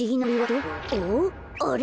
あれ？